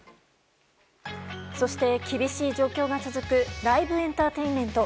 そして、厳しい状況が続くライブエンターテインメント。